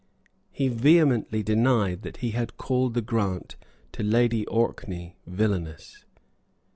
He vehemently denied that he had called the grant to Lady Orkney villainous.